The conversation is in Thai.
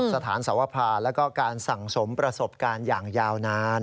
สถานสวภาแล้วก็การสั่งสมประสบการณ์อย่างยาวนาน